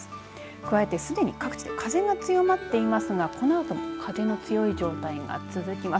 加えてすでに各地で風が強まっていますがこのあとも風の強い状態が続きます。